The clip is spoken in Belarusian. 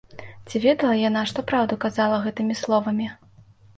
Ці ведала яна, што праўду казала гэтымі словамі?